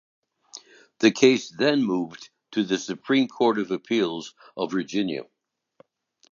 The case then moved to the Supreme Court of Appeals of Virginia.